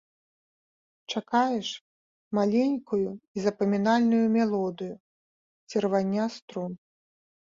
Чакаеш маленькую і запамінальную мелодыю ці рвання струн.